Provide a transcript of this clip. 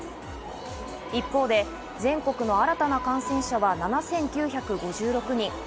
一方で全国の新たな感染者は７９５６人。